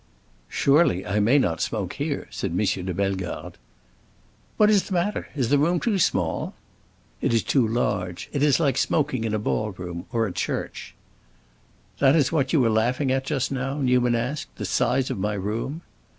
"Surely, I may not smoke here," said M. de Bellegarde. "What is the matter? Is the room too small?" "It is too large. It is like smoking in a ball room, or a church." "That is what you were laughing at just now?" Newman asked; "the size of my room?"